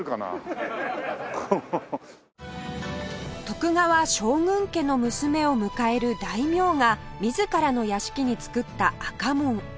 徳川将軍家の娘を迎える大名が自らの屋敷に作った赤門